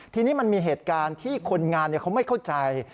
ทีนี้มันมีเหตุการณ์ที่คนงานเขาไม่เข้าใจ